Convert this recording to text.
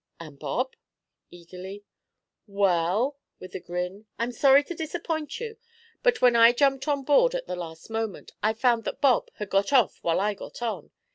'And Bob?' eagerly. 'Well,' with a grin, 'I'm sorry to disappoint you, but when I jumped on board, at the last moment, I found that Bob had got off while I got on.